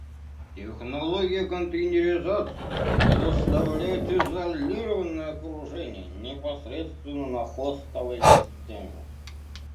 Технология контейнеризации предоставляет изолированное окружение непосредственно на хостовой системе